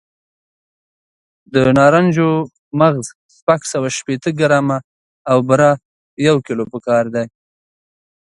د نارنجو مغز شپږ سوه شپېته ګرامه او بوره یو کیلو پکار دي.